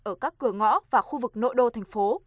ở các cửa ngõ và khu vực nội đô thành phố